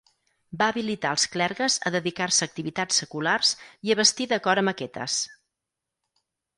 Va habilitar els clergues a dedicar-se a activitats seculars i a vestir d'acord amb aquestes.